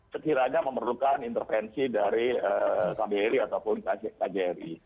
kira kira memerlukan intervensi dari kbri ataupun kjri